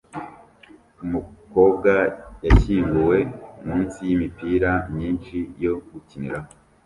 Umukobwa yashyinguwe munsi yimipira myinshi yo gukiniraho